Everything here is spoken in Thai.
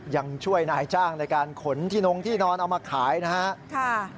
ยังช่วยนายจ้างในการขนที่นงที่นอนเอามาขายนะครับ